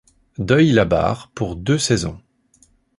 Deuil-la-Barre pour deux saisons.